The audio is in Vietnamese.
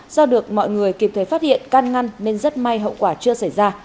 do được mọi người kịp thời phát hiện can ngăn nên rất may hậu quả chưa xảy ra